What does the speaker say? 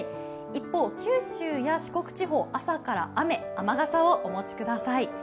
一方、九州や四国地方、朝から雨、雨傘をお持ちください。